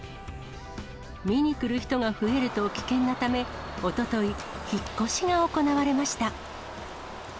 見に来る人が増えると危険なため、おととい、引っ越しが行われました。